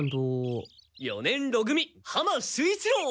四年ろ組浜守一郎！